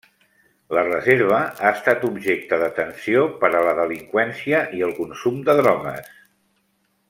La reserva ha estat objecte d'atenció per a la delinqüència i el consum de drogues.